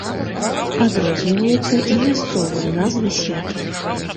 Адрозніваюцца і мясцовыя назвы свята.